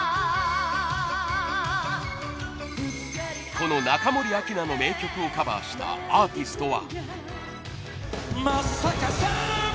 この中森明菜の名曲をカバーしたアーティストは。